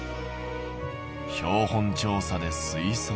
標本調査で推測。